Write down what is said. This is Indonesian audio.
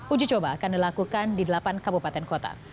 uji coba akan dilakukan di delapan kabupaten kota